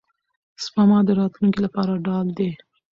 سپما د راتلونکي لپاره ډال دی.